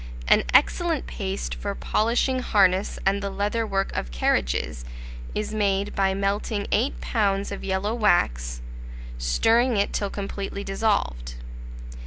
An excellent paste for polishing harness and the leather work of carriages, is made by melting 8 lbs. of yellow wax, stirring it till completely dissolved.